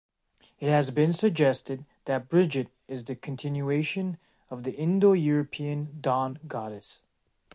It has been suggested that Brigid is a continuation of the Indo-European dawn goddess.